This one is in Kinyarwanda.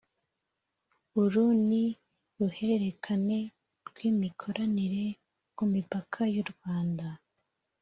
Uru ni ruhererekane rw’ imikoranire ku mipaka y’ u Rwanda